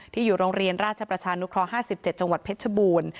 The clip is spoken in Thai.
อยู่โรงเรียนราชประชานุเคราะห์๕๗จังหวัดเพชรบูรณ์